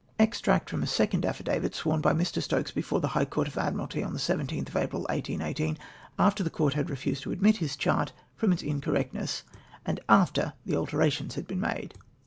Extract from a second affidavit, SAvorn by Mr. Stokes, before the High Court of Admiralty, on the 17th of April, 1818, after the Court had refused to admit his chart from its incorrectness ; and after the alterations had been made